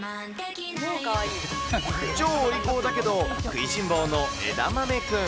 超お利口だけど、食いしん坊のえだまめくん。